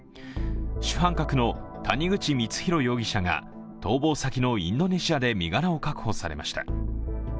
主犯格の谷口光弘容疑者が逃亡先のインドネシアで身柄を確保されました。